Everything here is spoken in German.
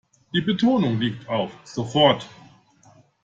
Die Betonung liegt auf sofort.